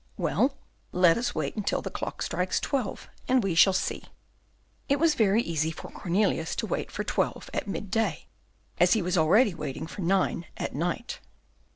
Well, let us wait until the clock strikes twelve, and we shall see." It was very easy for Cornelius to wait for twelve at midday, as he was already waiting for nine at night.